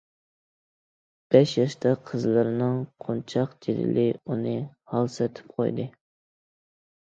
بەش ياشتا قىزلىرىنىڭ قونچاق جېدىلى ئۇنى ھالسىرىتىپ قويدى.